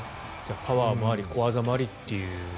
パワーもあり小技もありと。